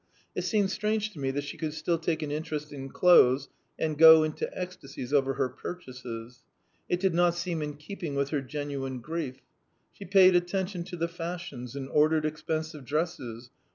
It seemed strange to me that she could still take an interest in clothes and go into ecstasies over her purchases. It did not seem in keeping with her genuine grief. She paid attention to the fashions and ordered expensive dresses.